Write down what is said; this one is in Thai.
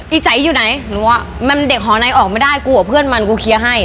ใจอยู่ไหนหนูว่ามันเด็กหอในออกไม่ได้กูกับเพื่อนมันกูเคลียร์ให้